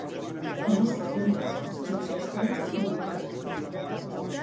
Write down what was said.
Има слаби нозе, цицлеста е, има и газе.